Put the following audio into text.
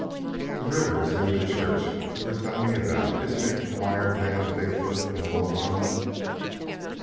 "The river is near the church you were telling me about, isn't it?" inquired Tad of Big foot in a low tone.